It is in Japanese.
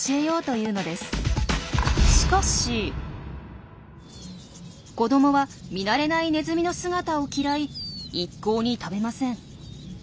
しかし子どもは見慣れないネズミの姿を嫌い一向に食べません。